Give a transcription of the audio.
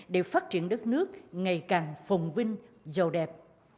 để phát triển đất nước ngày càng phồng vinh giàu đẹp